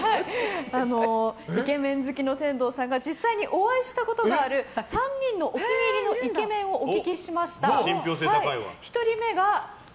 イケメン好きの天童さんが実際にお会いしたことがある３人のお気に入りのイケメンをお聞きしました。